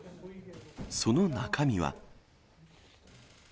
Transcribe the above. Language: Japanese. その中身は。